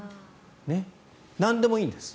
なんでもいいんです。